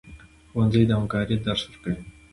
ښوونځی د همکارۍ درس ورکوي